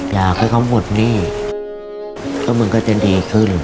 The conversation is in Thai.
อยากให้เขาหมดหนี้